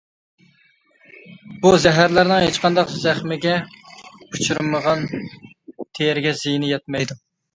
بۇ زەھەرلەرنىڭ ھېچقانداق زەخمىگە ئۇچرىمىغان تېرىگە زىيىنى يەتمەيدۇ.